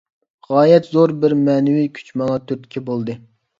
غايەت زور بىر مەنىۋى كۈچ ماڭا تۈرتكە بولدى.